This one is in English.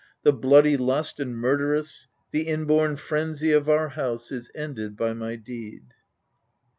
The bloody lust and murderous^ The inborn frenzy of our house ^ Is ended^ by my deed!